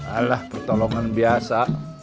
alah pertolongan biasa